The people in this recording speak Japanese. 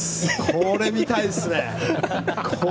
これ、見たいですね。